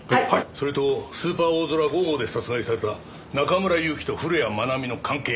それとスーパーおおぞら５号で殺害された中村祐樹と古谷愛美の関係。